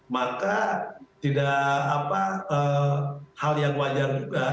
maka tidak hal yang wajar juga